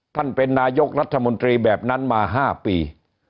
ท่านเป็นนายกรัฐมนตรีแบบนั้นมา๕ปี